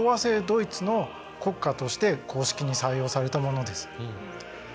ドイツの国歌として公式に採用されたものです。